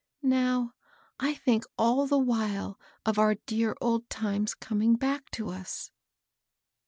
Now, I think all the while of our dear old times coming back to us.'